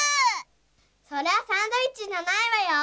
それはサンドイッチじゃないわよ。